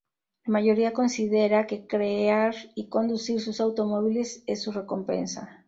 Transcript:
La mayoría considera que crear y conducir sus automóviles es su recompensa.